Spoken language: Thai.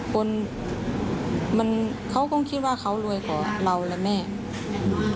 คนมันเขาก็คิดว่าเขารวยกว่าเราและแม่